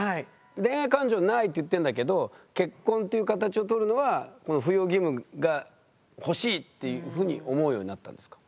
「恋愛感情ない」って言ってんだけど結婚という形をとるのはこの扶養義務がほしいっていうふうに思うようになったんですか？